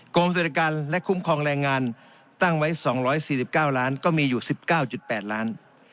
กรมสวัสดิกันและคุ้มครองแรงงานตั้งไว้๒๔๙ล้านบาทก็มีอยู่๑๙๘ล้านบาท